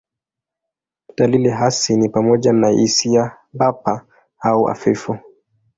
Dalili hasi ni pamoja na hisia bapa au hafifu.